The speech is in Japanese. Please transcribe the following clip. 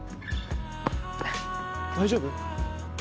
大丈夫？